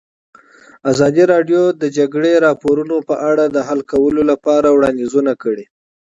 ازادي راډیو د د جګړې راپورونه په اړه د حل کولو لپاره وړاندیزونه کړي.